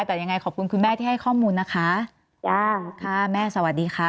แต่ยังไงขอบคุณคุณแม่ที่ให้ข้อมูลนะคะจ้าค่ะแม่สวัสดีค่ะ